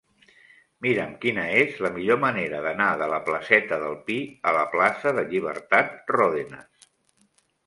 Mira'm quina és la millor manera d'anar de la placeta del Pi a la plaça de Llibertat Ròdenas.